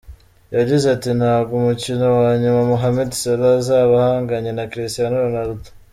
Yagize ati “Ntabwo umukino wa nyuma Mohamed Salah azaba ahanganye na Cristiano Ronaldo.